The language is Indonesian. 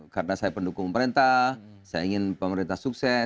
karena saya pendukung pemerintah saya ingin pemerintah sukses